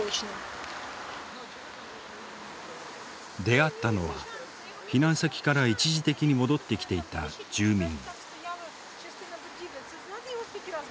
出会ったのは避難先から一時的に戻ってきていた住民。